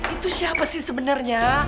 itu siapa sih sebenarnya